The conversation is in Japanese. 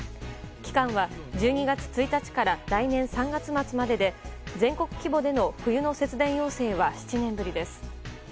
期間は１２月１日から来年３月末までで全国規模での冬の節電要請は７年ぶりです。